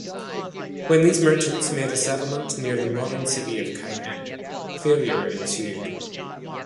When these merchants made a settlement near the modern city of Cayenne, failure ensued.